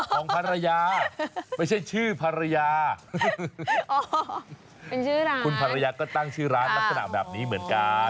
ของภรรยาไม่ใช่ชื่อภรรยาเป็นชื่อร้านคุณภรรยาก็ตั้งชื่อร้านลักษณะแบบนี้เหมือนกัน